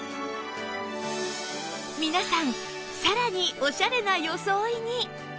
皆さんさらにオシャレな装いに！